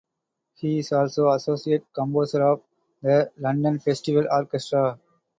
He is also Associate Composer of the London Festival Orchestra.